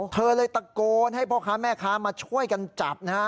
เธอเลยตะโกนให้พ่อค้าแม่ค้ามาช่วยกันจับนะฮะ